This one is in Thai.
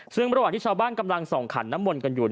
ซึ่งระหว่างที่ชาวบ้านกำลังส่องขันน้ำมนต์กันอยู่